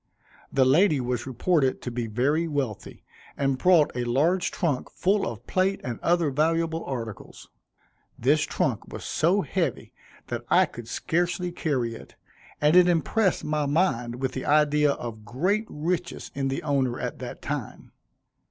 The lady was reported to be very wealthy, and brought a large trunk full of plate and other valuable articles. This trunk was so heavy that I could scarcely carry it, and it impressed my mind with the idea of great riches in the owner, at that time.